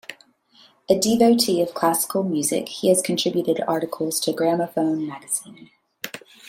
A devotee of classical music, he has contributed articles to "Gramophone" magazine.